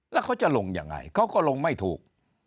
แล้วเขาจะลงยังไงเขาก็ลงไม่ถูก